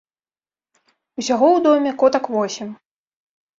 Усяго ў доме котак восем.